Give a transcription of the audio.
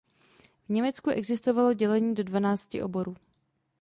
V Německu existovalo dělení do dvanácti oborů.